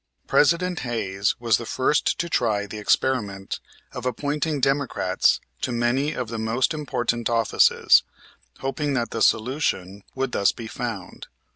President Hayes was the first to try the experiment of appointing Democrats to many of the most important offices, hoping that the solution would thus be found.